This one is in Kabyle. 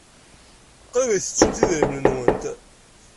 Qrib ay tettumt idrimen-nwent.